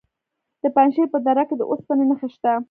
د پنجشیر په دره کې د اوسپنې نښې شته.